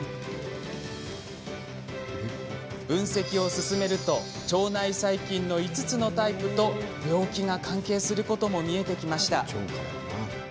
分析を進めると腸内細菌の５つのタイプと病気が関係することも見えてきました。